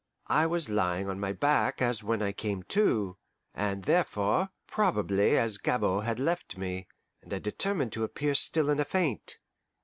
I was lying on my back as when I came to, and, therefore, probably as Gabord had left me, and I determined to appear still in a faint.